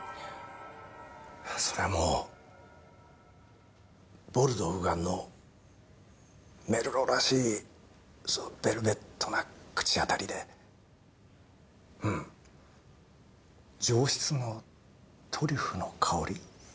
それはもうボルドー右岸のメルローらしいそうベルベットな口当たりでうん上質のトリュフの香り。